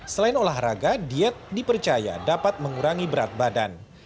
selain olahraga diet dipercaya dapat mengurangi berat badan